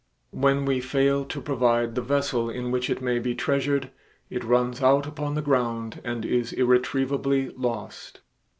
When we fail to provide the vessel in which it may be treasured, it runs out upon the ground and is irretrievably lost.